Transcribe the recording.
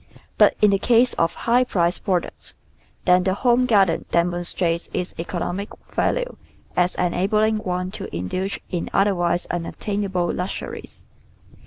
But in the case of high priced j^roducts, then the home garden demonstrates its economic value as enabling one to indulge in otherwise unattainable luxuries.